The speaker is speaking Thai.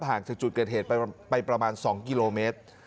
ห่างจากจุดเกิดเหตุไปประมาณ๒กิโลเมตร